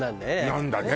なんだね。